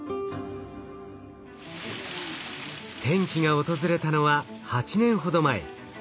転機が訪れたのは８年ほど前。